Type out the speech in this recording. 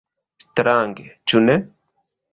Strange, ĉu ne?